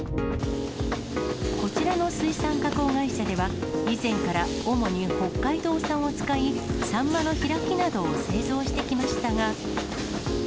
こちらの水産加工会社では、以前から主に北海道産を使い、サンマの開きなどを製造してきましたが。